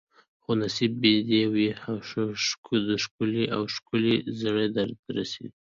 خو نصیب به دي وي اوښکي او د زړه درد رسېدلی